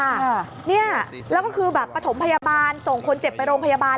แล้วก็คือประถมพยาบาลส่งคนเจ็บไปโรงพยาบาล